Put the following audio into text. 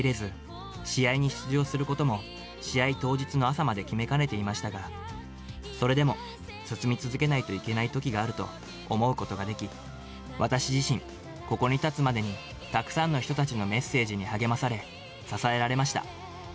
試合当日の朝まで決めかねていましたが、それでも進み続けないといけないときがあると思うことができ、私自身、ここに立つまでにたくさんの人たちのメッセージに励まされ、支えられました。